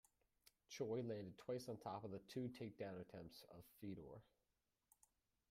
Choi landed twice on top of the two takedown attempts of Fedor.